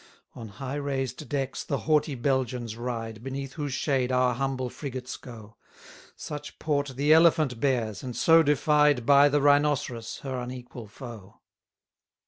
59 On high raised decks the haughty Belgians ride, Beneath whose shade our humble frigates go: Such port the elephant bears, and so defied By the rhinoceros, her unequal foe.